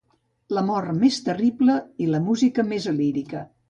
La mort més terrible i la música més lírica.